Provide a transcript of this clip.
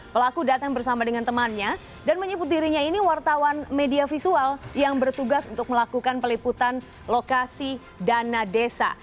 pelaku datang bersama dengan temannya dan menyebut dirinya ini wartawan media visual yang bertugas untuk melakukan peliputan lokasi dana desa